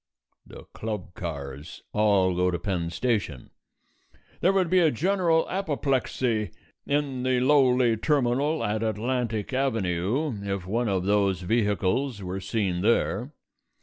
The club cars all go to Penn Station: there would be a general apoplexy in the lowly terminal at Atlantic Avenue if one of those vehicles were seen there.